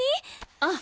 あっ！